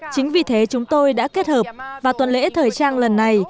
chính vì thế chúng tôi đã kết hợp và tuần lễ thời trang lần này